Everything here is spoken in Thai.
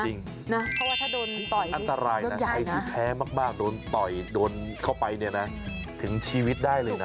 เพราะว่าถ้าโดนต่อยอันตรายนะใครที่แท้มากโดนต่อยโดนเข้าไปเนี่ยนะถึงชีวิตได้เลยนะ